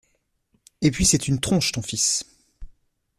Et puis, c’est une tronche ton fils